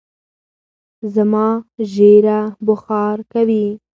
زما ژېره بوخار کوی